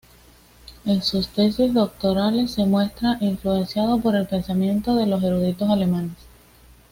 En sus tesis doctorales se muestra influenciado por el pensamiento de los eruditos alemanes.